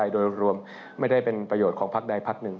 โดยรวมไม่ได้เป็นประโยชน์ของพักใดพักหนึ่ง